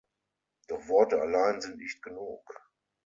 Doch Worte allein sind nicht genug.